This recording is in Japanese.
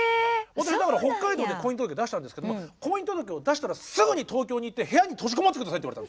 私北海道で婚姻届出したんですけど「婚姻届を出したらすぐに東京に行って部屋に閉じこもってください」って。